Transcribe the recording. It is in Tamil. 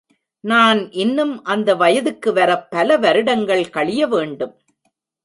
நான் இன்னும் அந்த வயதுக்கு வரப் பல வருடங்கள் கழிய வேண்டும்.